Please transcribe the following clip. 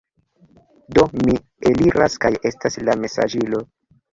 Do, mi eliras kaj estas la mesaĝilo